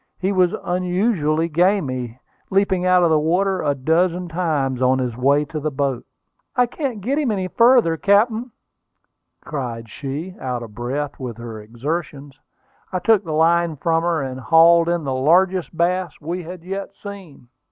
He was unusually gamy, leaping out of the water a dozen times on his way to the boat. "I can't get him any further, captain!" cried she, out of breath with her exertions. I took the line from her, and hauled in the largest bass we had yet seen.